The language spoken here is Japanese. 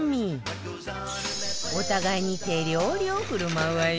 お互いに手料理を振る舞うわよ